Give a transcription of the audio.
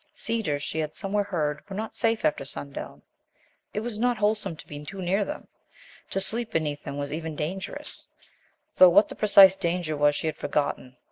Cedars, she had somewhere heard, were not safe after sundown; it was not wholesome to be too near them; to sleep beneath them was even dangerous, though what the precise danger was she had forgotten.